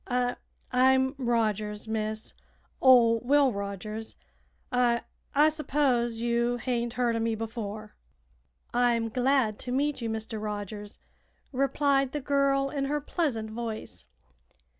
"I I'm Rogers, miss; ol' Will Rogers. I I s'pose you hain't heerd o' me before." "I'm glad to meet you, Mr. Rogers," replied the girl in her pleasant voice.